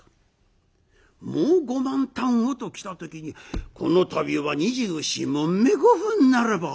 もう５万反をと来た時に「この度は２４匁５分ならば」。